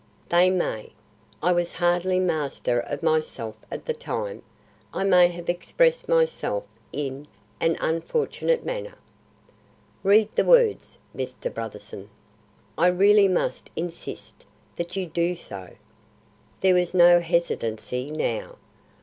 "They may. I was hardly master of myself at the time. I may have expressed myself in an unfortunate manner." "Read the words, Mr. Brotherson. I really must insist that you do so." There was no hesitancy now.